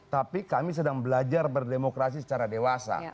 tapi kami sedang belajar berdemokrasi secara dewasa